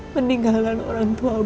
meninggalan orang tua muna